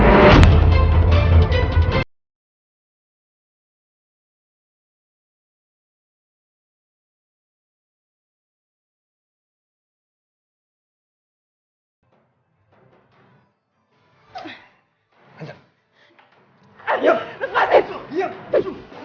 sampai jumpa di video selanjutnya